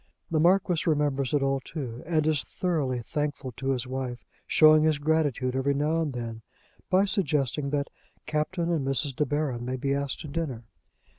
The Marquis remembers it all, too, and is thoroughly thankful to his wife, showing his gratitude every now and then by suggesting that Captain and Mrs. De Baron may be asked to dinner.